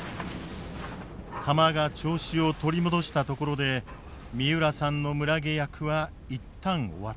釜が調子を取り戻したところで三浦さんの村下役は一旦終わった。